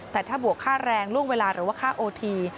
แต่ถ้าบวกค่าแรงล่วงเวลาหรือว่าค่าโอที